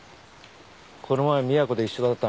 この前みやこで一緒だった